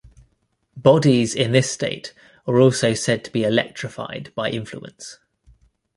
Bodies in this state are also said to be electrified by influence.